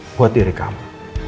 buat diri kamu